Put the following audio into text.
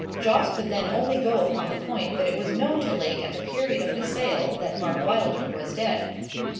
Jos. then could only go upon the point that it was known to Lake at the period of the sale that Mark Wylder was dead.